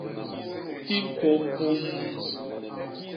I mpôp puum.